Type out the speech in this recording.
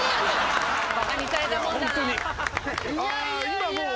今もう。